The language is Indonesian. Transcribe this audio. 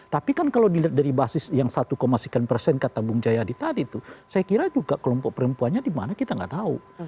tapi kan kalau dilihat dari basis yang satu sekian persen kata bung jayadi tadi itu saya kira juga kelompok perempuannya dimana kita nggak tahu